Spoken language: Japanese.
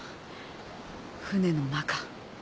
船の中。